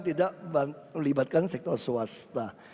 tidak melibatkan sektor swasta